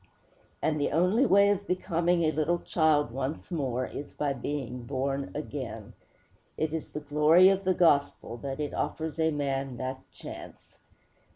And the only way of becoming a little child once more is by being born again. It is the glory of the gospel that it offers a man that chance.